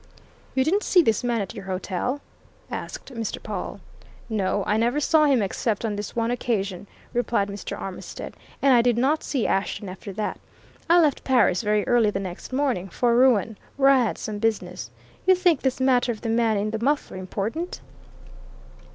"You didn't see this man at your hotel?" asked Mr. Pawle. "No I never saw him except on this one occasion," replied Mr. Armitstead. "And I did not see Ashton after that. I left Paris very early the next morning, for Rouen, where I had some business. You think this matter of the man in the muffler important?"